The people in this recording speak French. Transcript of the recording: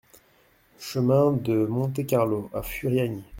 Chemin de Monte-Carlo à Furiani